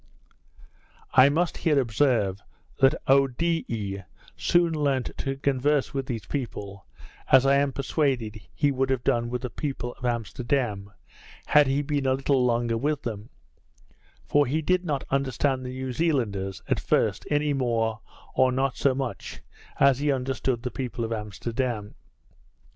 I must here observe, that Oedidee soon learnt to converse with these people, as I am persuaded, he would have done with the people of Amsterdam, had he been a little longer with them; for he did not understand the New Zealanders, at first, any more, or not so much, as he understood the people of Amsterdam.